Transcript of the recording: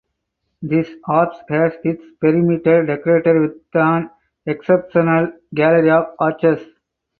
This apse has its perimeter decorated with an exceptional gallery of arches.